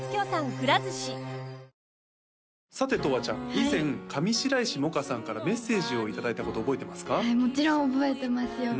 以前上白石萌歌さんからメッセージを頂いたこと覚えてますか？